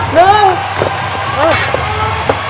หนึ่งสอง